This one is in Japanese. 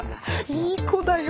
いい子だよ。